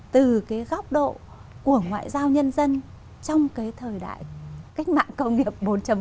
từ cái góc độ của ngoại giao nhân dân trong cái thời đại cách mạng công nghiệp bốn